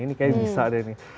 ini kayaknya bisa deh nih